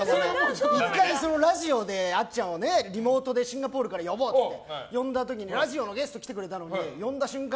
１回、ラジオであっちゃんをリモートでシンガポールから呼ぼうって言って、呼んだ時にラジオのゲスト来てくれたのに呼んだ瞬間